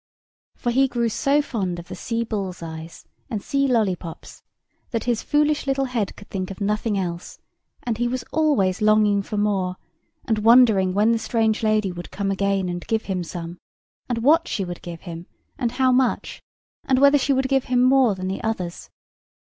For he grew so fond of the sea bullseyes and sea lollipops that his foolish little head could think of nothing else: and he was always longing for more, and wondering when the strange lady would come again and give him some, and what she would give him, and how much, and whether she would give him more than the others.